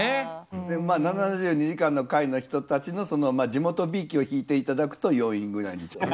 でもまあ７２時間の会の人たちのその地元びいきを引いて頂くと４位ぐらいにちょうど。